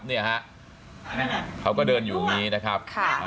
เนี่ยฮะเขาก็เดินอยู่อย่างนี้นะครับ